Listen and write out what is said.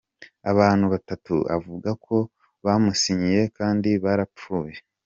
abantu batatu avuga ko bamusinyiye kandi barapfuye.